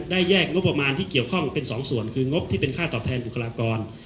แยกงบประมาณที่เกี่ยวข้องเป็นสองส่วนคืองบที่เป็นค่าตอบแทนบุคลากร